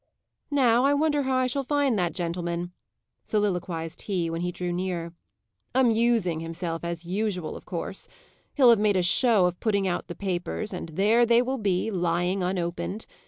"Now, I wonder how I shall find that gentleman?" soliloquized he, when he drew near. "Amusing himself, as usual, of course. He'll have made a show of putting out the papers, and there they will be, lying unopened.